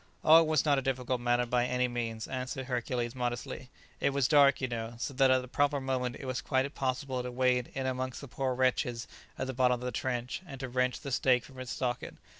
"Oh, it was not a difficult matter by any means," answered Hercules modestly; "it was dark, you know, so that at the proper moment it was quite possible to wade in amongst the poor wretches at the bottom of the trench, and to wrench the stake from its socket.